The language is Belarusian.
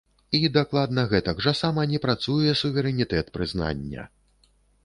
І дакладна гэтак жа сама не працуе суверэнітэт прызнання!